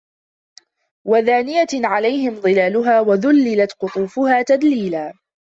وَدانِيَةً عَلَيهِم ظِلالُها وَذُلِّلَت قُطوفُها تَذليلًا